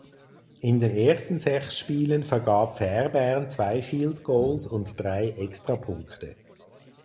In den ersten sechs Spielen vergab Fairbairn zwei Field Goals und drei Extrapunkte.